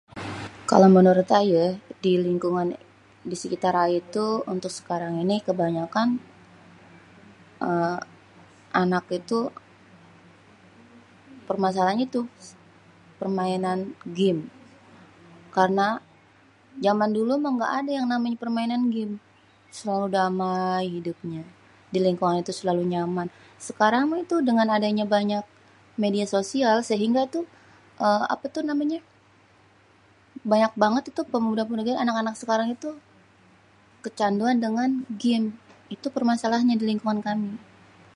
Kalo menurut ayé di lingkungan di sekitar ayé tuh untuk sekarang ini kebanyakan anak itu pemasalahannya itu, ya itu permainan gem. Karena jaman dulu mah kagak ada yang namanya permainan gem. Selalu damai hidupnya di lingkungan itu selalu nyaman. Sekarang mah itu dengan adanya media sosial, sehingga tuh apa tuh namanya banyak banget pemuda-pemuda anak-anak jaman sekarang tuh kecanduan dengan gem. Itu permasalahannya di lingkungan kami.